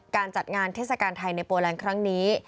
การจัดงานเทศกาลไทยในโปแลนด์ครั้งนี้